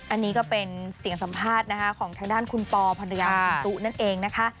อันนี้ก็เป็นเสียงสัมภาษณ์นะคะของทางด้านคุณปอภรรยาของคุณตุ๊นั่นเองนะคะ